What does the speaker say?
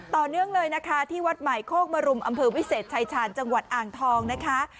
ต่อเนื่องเลยนะคะที่วัดใหม่โคกมรุมอำเภอวิเศษชายชาญจังหวัดอ่างทองนะคะ